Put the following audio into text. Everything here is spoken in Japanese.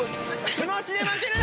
気持ちで負けるな。